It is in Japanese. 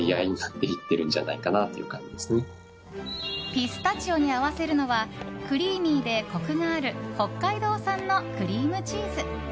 ピスタチオに合わせるのはクリーミーでコクがある北海道産のクリームチーズ。